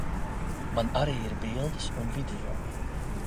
Man arī ir bildes un video.